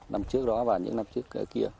năm trước đó và những năm trước kia